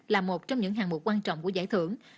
là một trong những hạng một quan trọng của giải thưởng